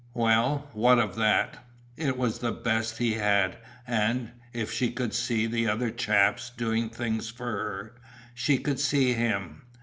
Well, what of that? It was the best he had, and, if she could see the other chaps doing things for her, she could see him.